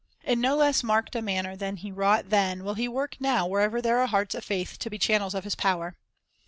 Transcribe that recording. In no less marked a manner than He wrought then will He work now wherever there are hearts of faith to be channels of His power.